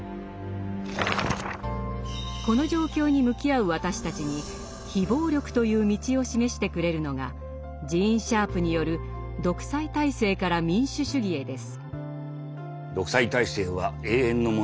この状況に向き合う私たちに「非暴力」という道を示してくれるのがジーン・シャープによる「独裁体制から民主主義へ」です。